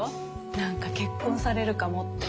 何か結婚されるかもって。